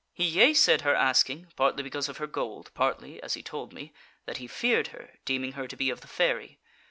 "He yeasaid her asking, partly because of her gold, partly (as he told me) that he feared her, deeming her to be of the fairy.